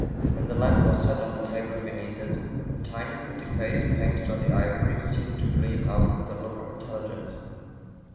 When the lamp was set on the table beneath it, the tiny pretty face painted on the ivory seemed to gleam out with a look of intelligence.